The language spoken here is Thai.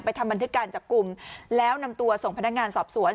ทำบันทึกการจับกลุ่มแล้วนำตัวส่งพนักงานสอบสวน